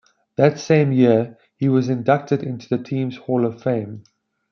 That same year, he was inducted into the team's Hall of Fame.